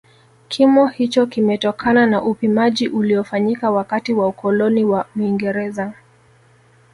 Kimo hicho kimetokana na upimaji uliofanyika wakati wa ukoloni wa Uingereza